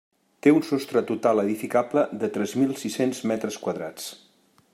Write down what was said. Té un sostre total edificable de tres mil sis-cents metres quadrats.